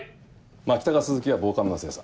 牧高鈴木は防カメの精査。